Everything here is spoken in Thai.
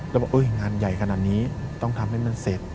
แล้วบอกงานใหญ่ขนาดนี้ต้องทำให้มันเสร็จ